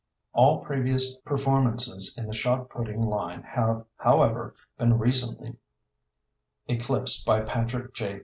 All previous performances in the shot putting line have, however, been recently eclipsed by Patrick J.